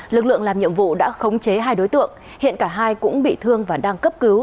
lực lượng làm nhiệm vụ đã khống chế hai đối tượng hiện cả hai cũng bị thương và đang cấp cứu